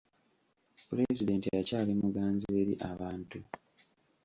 Pulezidenti akyali muganzi eri abantu.